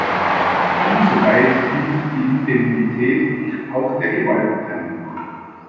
Insoweit dient die Indemnität auch der Gewaltenteilung.